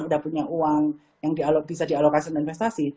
sudah punya uang yang bisa dialokasi dengan investasi